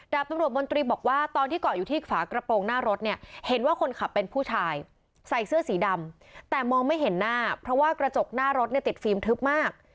ตำรวจมนตรีบอกว่าตอนที่เกาะอยู่ที่ฝากระโปรงหน้ารถเนี่ยเห็นว่าคนขับเป็นผู้ชายใส่เสื้อสีดำแต่มองไม่เห็นหน้าเพราะว่ากระจกหน้ารถเนี่ยติดฟิล์มทึบมาก